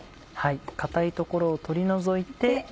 硬い所を取り除いて。